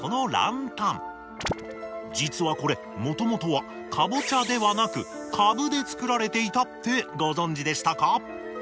実はこれもともとはカボチャではなくカブで作られていたってご存じでしたか？